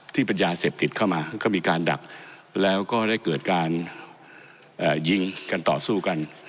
ที่เป็นยาเสพติดเข้ามาก็มีการดักแล้วก็ได้เกิดการยิงกันต่อสู้กัน